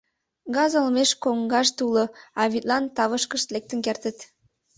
«Газ олмеш коҥгашт уло, а вӱдлан тавышкышт лектын кертыт.